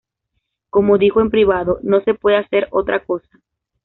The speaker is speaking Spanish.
Como dijo en privado ""no se puede hacer otra cosa"".